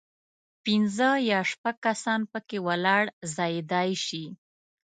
پنځه یا شپږ کسان په کې ولاړ ځایېدای شي.